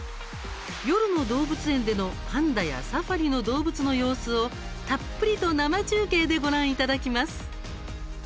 夜の動物園でのパンダやサファリの動物の様子をたっぷりと生中継でご覧いただきます。